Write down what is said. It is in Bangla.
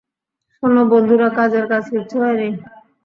শোনো, বন্ধুরা, কাজের কাজ কিচ্ছু হয়নি।